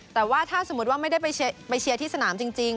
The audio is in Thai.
แต่ว่าถ้าสมมุติว่าไม่ได้ไปเชียร์ที่สนามจริง